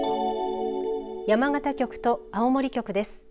山形局と青森局です。